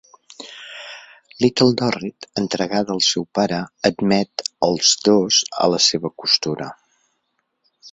Little Dorrit, entregada al seu pare, admet els dos a la seva costura.